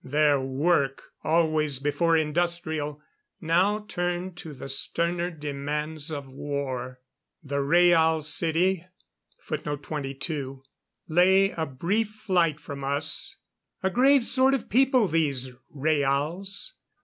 Their work always before industrial now turned to the sterner demands of war. The Rhaal City lay a brief flight from us. A grave sort of people, these Rhaals.